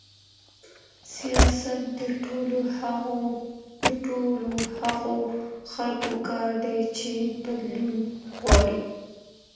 سياست د ټولو هغو خلګو کار دی چي بدلون غواړي.